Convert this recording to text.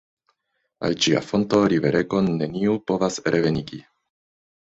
Al ĝia fonto riveregon neniu povas revenigi.